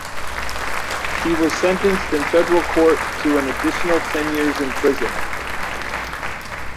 He was sentenced in federal court to an additional ten years in prison.